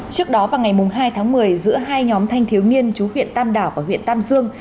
trước đó vào ngày hai tháng một mươi giữa hai nhóm thanh thiếu niên chú huyện tam đảo và huyện tam dương